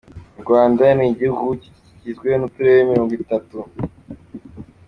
U rwanda nigihugu kigizwe nuturere mirongo itatu.